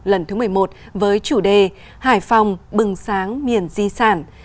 lần thứ một mươi một với chủ đề hải phòng bừng sáng miền di sản